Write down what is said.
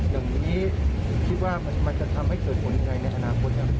อย่างนี้คิดว่ามันจะทำให้เกิดผลยังไงในอนาคตครับ